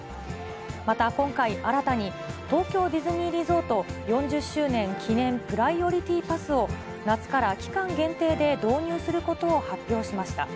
また今回、新たに東京ディズニーリゾート４０周年記念プライオリティパスを、夏から期間限定で導入することを発表しました。